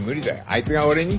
あいつが俺に？